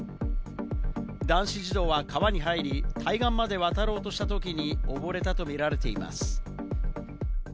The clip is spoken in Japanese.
男子児童は川に入り対岸まで渡ろうとしたときに溺れたとみられています。